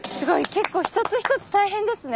結構一つ一つ大変ですね。